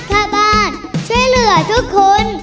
ข้าบาทใช้เหลือทุกคน